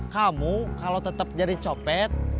kamu kalau tetap jadi copet